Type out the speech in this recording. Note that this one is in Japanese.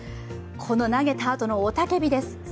この投げたあとの雄たけびです。